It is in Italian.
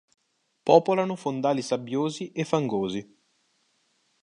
Popolano fondali sabbiosi e fangosi.